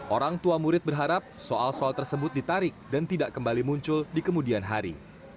orang tua murid berharap soal soal tersebut ditarik dan tidak kembali muncul di kemudian hari